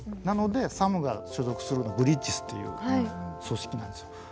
なのでサムが所属するの「ブリッジズ」っていう組織なんですよ。